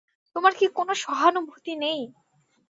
তোমার কি কোনো সহানুভূতি নেই?